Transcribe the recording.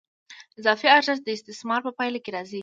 اضافي ارزښت د استثمار په پایله کې راځي